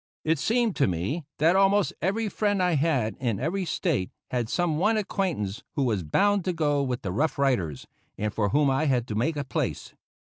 It seemed to me that almost every friend I had in every State had some one acquaintance who was bound to go with the Rough Riders, and for whom I had to make a place.